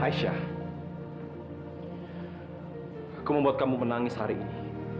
aku membuat kamu menangis hari ini